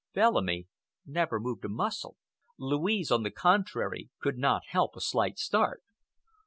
Bellamy never moved a muscle. Louise, on the contrary, could not help a slight start.